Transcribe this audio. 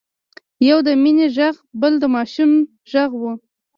يو د مينې غږ بل د ماشوم غږ و.